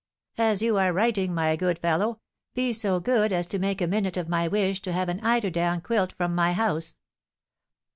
"As you are writing, my good fellow, be so good as make a minute of my wish to have an eider down quilt from my house."